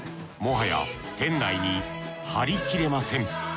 もはや店内に貼りきれません。